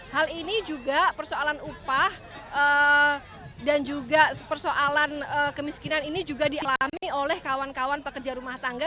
hal ini juga persoalan upah dan juga persoalan kemiskinan ini juga dialami oleh kawan kawan pekerja rumah tangga